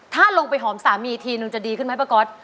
ถ้าลงไปหอมสามีทีนึงจะดีขึ้นไหมป้าก๊อต